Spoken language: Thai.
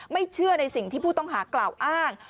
ไม่เชื่อในสิ่งที่ผู้ต้องหากล่าวอ้าง